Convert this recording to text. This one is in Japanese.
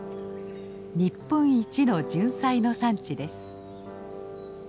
日本一のジュンサイの産地です。